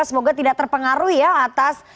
semoga tidak terpengaruhi ya atas